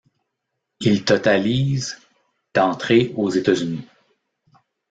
Il totalise d'entrées aux États-Unis.